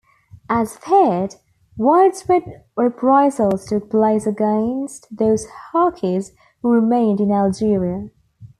As feared, widespread reprisals took place against those Harkis who remained in Algeria.